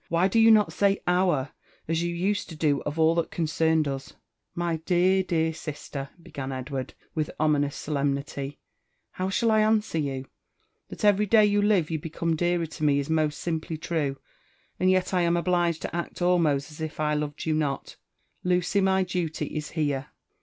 Why do you not say our, as you used to do of all that concerned us?" '' My de^r, dear sister I" began Edward wilh ominous solemnity, "how shall I answer you? That every day you live you become dearer to me is most simply true ; and yet 1 am obliged to act almost as if I loved you not. Lucy, my duty is here."